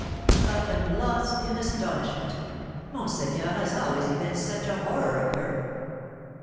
"I am lost in astonishment! Monseigneur has always evinced such a horror of her!"